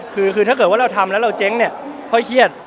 คือถ้าเกิดว่าเราทำแล้วเราเจ๊งเนี่ยค่อยเครียด